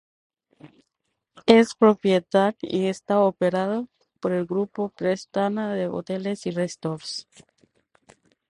Es propiedad y está operado por el Grupo Pestana de hoteles y resorts.